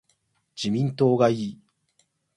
自民党がいい